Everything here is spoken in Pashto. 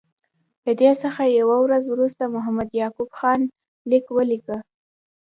له دې څخه یوه ورځ وروسته محمد یعقوب خان لیک ولیکه.